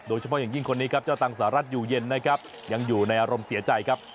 โดยเฉพาะอย่างยิ่งคนนี้ครับเจ้าตังสหรัฐอยู่เย็นนะครับยังอยู่ในอารมณ์เสียใจครับ